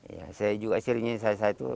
ya saya juga seringnya saya satu